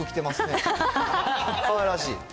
かわいらしい。